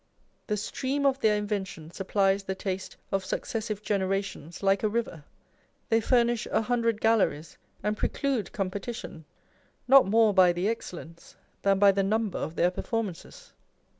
The stream of their invention sup plies the taste of successive generations like a river : they furnish a hundred galleries, and preclude competi tion, not more by the excellence than by the number of their performances.